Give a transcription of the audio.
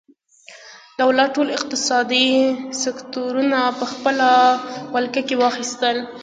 دولت ټول اقتصادي سکتورونه په خپله ولکه کې واخیستل.